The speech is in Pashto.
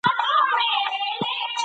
زده کړې نجونې بحثونه ښه کوي.